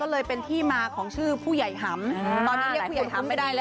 ก็เลยเป็นที่มาของชื่อผู้ใหญ่ห่ำ